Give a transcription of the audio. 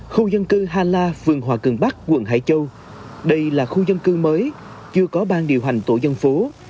khu dân cư ha la phường hòa cường bắc quận hải châu đây là khu dân cư mới chưa có bang điều hành tổ dân phố